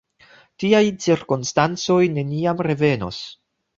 Tiaj cirkonstancoj neniam revenos.